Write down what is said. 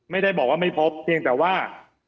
ไม่ได้บอกว่าไม่พบเพียงแต่ว่า